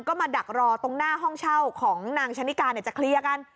ก็มาดักรอตรงหน้าห้องเช่าของนางชะนิกาเนี่ยจะเคลียร์กัน